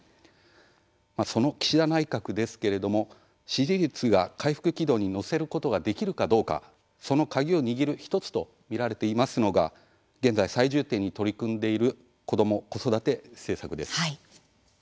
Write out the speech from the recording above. その岸田内閣ですけれども支持率が回復軌道に乗せることができるかどうかその鍵を握る１つと見られていますのが現在、最重点に取り組んでいる子ども・子育て政策です。